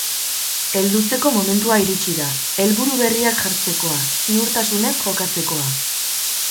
Heldutzeko momentua iritsi da, helburu berriak jartzekoa, zihurtasunez jokatzekoa.